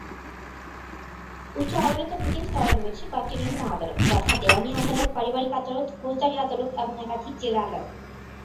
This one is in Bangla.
উচ্চ আদালতের নিচের স্তরে রয়েছে কয়েকটি নিম্ন আদালত; যথা: দেওয়ানি আদালত, পারিবারিক আদালত, ফৌজদারি আদালত, এবং একাধিক জেলা আদালত।